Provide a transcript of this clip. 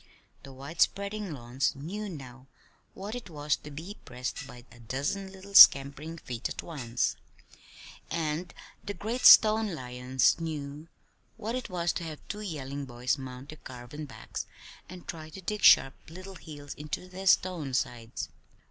The wide spreading lawns knew now what it was to be pressed by a dozen little scampering feet at once: and the great stone lions knew what it was to have two yelling boys mount their carven backs, and try to dig sharp little heels into their stone sides.